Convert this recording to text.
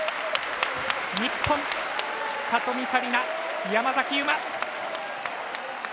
日本、里見紗李奈、山崎悠麻！